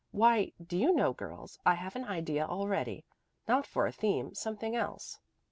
Why, do you know, girls, I have an idea already. Not for a theme something else.